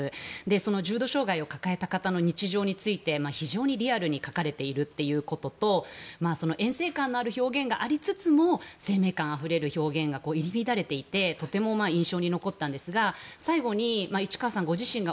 その重度障害を抱えた方の日常について非常にリアルに書かれているということとえん世観のある表現がありつつも生命感ある表現が入り乱れていてとても印象に残ったんですが最後に市川さん自身が